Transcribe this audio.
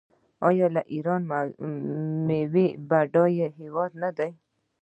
آیا ایران د میوو بډایه هیواد نه دی؟